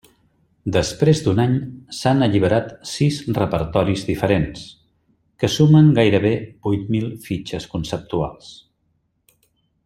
Després d'un any s'han alliberat sis repertoris diferents, que sumen gairebé vuit mil fitxes conceptuals.